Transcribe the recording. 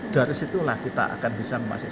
dari situlah kita akan bisa memasuki